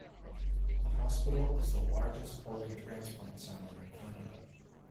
The hospital is the largest organ transplant center in Canada.